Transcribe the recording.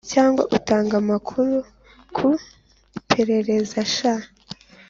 cyangwa utanga amakuru ku iperereza sha